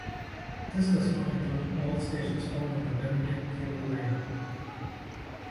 This does not include all stations found in the Bermudian cable line-up.